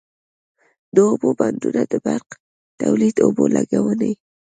د اوبو بندونه د برق تولید، اوبو لګونی،